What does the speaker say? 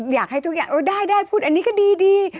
อยากให้ทุกอย่างได้ได้พูดอันนี้ก็ดี